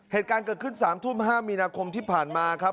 เหตุการณ์เกิดขึ้น๓ทุ่ม๕มีนาคมที่ผ่านมาครับ